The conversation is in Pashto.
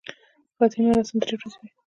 د فاتحې مراسم درې ورځې وي.